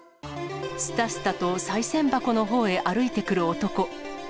すたすたとさい銭箱のほうへ歩いてくる男。